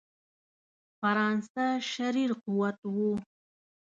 فرانسه شریر قوت وو.